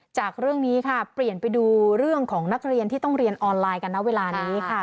จากเรื่องนี้ค่ะเปลี่ยนไปดูเรื่องของนักเรียนที่ต้องเรียนออนไลน์กันนะเวลานี้ค่ะ